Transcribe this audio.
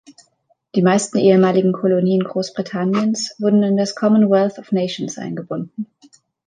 Die meisten ehemaligen Kolonien Großbritanniens wurden in das Commonwealth of Nations eingebunden.